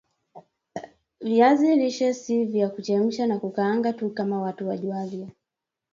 viazi lishe si vya kuchemsha na kukaanga tu kama watu wajuavyo